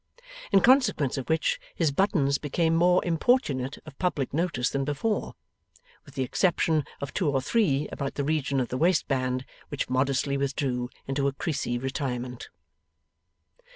In consequence of which his buttons became more importunate of public notice than before, with the exception of two or three about the region of the waistband, which modestly withdrew into a creasy retirement.